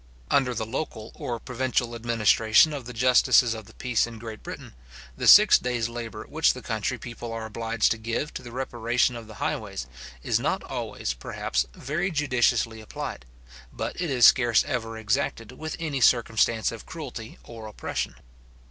Under the local or provincial administration of the justices of the peace in Great Britain, the six days labour which the country people are obliged to give to the reparation of the highways, is not always, perhaps, very judiciously applied, but it is scarce ever exacted with any circumstance of cruelty or oppression.